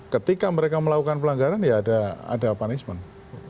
ketika mereka melakukan pelanggaran ya ada punishment